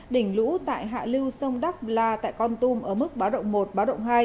đỉnh lũ tại hạ lưu sông đắc la tại con tum ở mức báo động một báo động hai